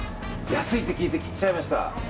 安いって聞いて来ちゃいました。